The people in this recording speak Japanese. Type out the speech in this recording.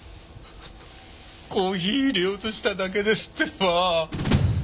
コーヒー淹れようとしただけですってば。